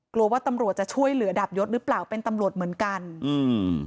กลัวว่าตำรวจจะช่วยเหลือดาบยศหรือเปล่าเป็นตำรวจเหมือนกันอืม